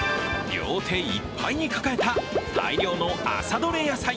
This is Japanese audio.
両手いっぱいに抱えた大量の朝どれ野菜。